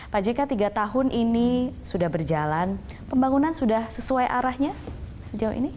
pak jk tiga tahun ini sudah berjalan pembangunan sudah sesuai arahnya sejauh ini